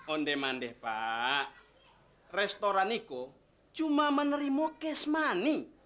ondeh mandeh pak restoraniku cuma menerima cash money